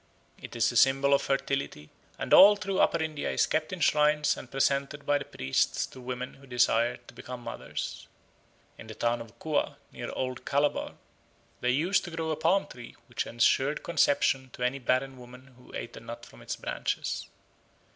It is the symbol of fertility, and all through Upper India is kept in shrines and presented by the priests to women who desire to become mothers. In the town of Qua, near Old Calabar, there used to grow a palm tree which ensured conception to any barren woman who ate a nut from its branches.